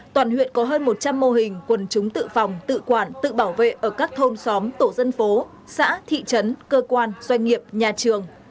toàn huyện có hơn một trăm linh mô hình quần chúng tự phòng tự quản tự bảo vệ ở các thôn xóm tổ dân phố xã thị trấn cơ quan doanh nghiệp nhà trường